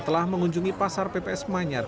telah mengunjungi pasar pps manyar